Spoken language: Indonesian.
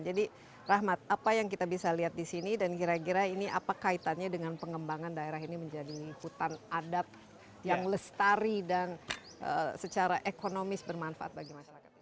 jadi rahmat apa yang kita bisa lihat di sini dan kira kira ini apa kaitannya dengan pengembangan daerah ini menjadi hutan adat yang lestari dan secara ekonomis bermanfaat bagi masyarakat